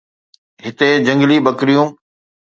هتي جهنگلي ٻڪريون